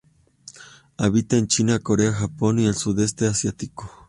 Habita en China, Corea, Japón y el Sudeste Asiático.